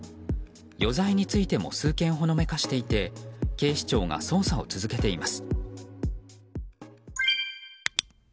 余罪についても数件ほのめかしていて警視庁が捜査を続けています。